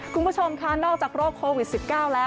คุณผู้ชมค่ะนอกจากโรคโควิด๑๙แล้ว